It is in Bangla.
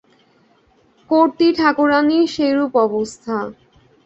কর্ত্রী ঠাকুরানীর সেইরূপ অবস্থা।